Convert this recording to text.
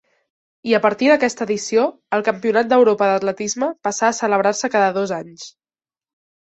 I a partir d'aquesta edició el Campionat d'Europa d'atletisme passà a celebrar-se cada dos anys.